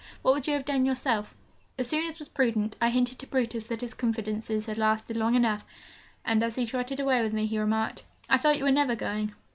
What would you have done yourself? As soon as was prudent, I hinted to Brutus that his confidences had lasted long enough; and as he trotted away with me, he remarked, 'I thought you were never going.'